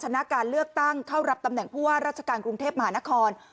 ชนะการเลือกตั้งเข้ารับตำแหน่งผู้ว่าราชการกรุงเทพมหานคร